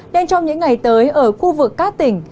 nên trong những ngày tới ở khu vực các tỉnh